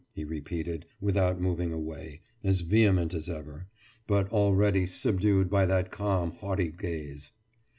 « he repeated, without moving away, as vehement as ever, but already subdued by that calm, haughty gaze.